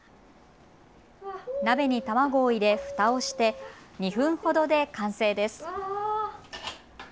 鍋に卵を入れ、ふたをして２分ほどで完成です。